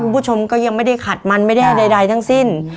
คุณผู้ชมก็ยังไม่ได้ขัดมันไม่ได้ใดทั้งสิ้น